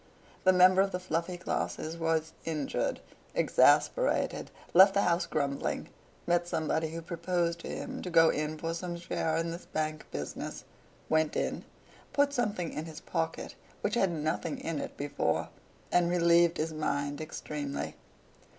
The member of the fluffy classes was injured, exasperated, left the house grumbling, met somebody who proposed to him to go in for some share in this Bank business, went in, put something in his pocket which had nothing in it before, and relieved his mind extremely.